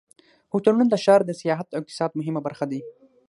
هوټلونه د ښار د سیاحت او اقتصاد مهمه برخه دي.